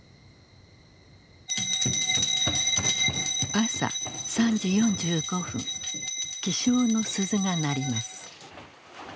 朝３時４５分起床の鈴が鳴ります。